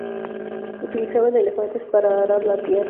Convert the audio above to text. Utilizaban elefantes para arar la tierra.